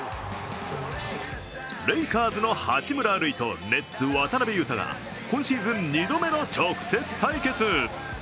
レイカーズの八村塁とネッツ・渡邊雄太が今シーズン２度目の直接対決。